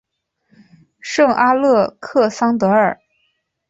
圣阿勒克桑德尔。